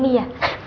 kalau ada apa apa